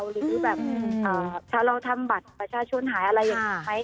หรือแบบถ้าเราทำบัตรประชาชนหายอะไรอย่างนี้ไหม